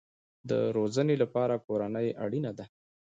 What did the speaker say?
د روزنې لپاره کورنۍ اړین ده